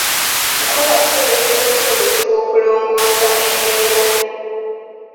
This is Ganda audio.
Nkola ki eziyinza okukozesebwa okulongoosa embeera?